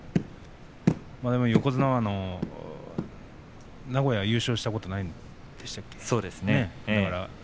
横綱は、まだ名古屋で優勝したことはないんでしたっけ？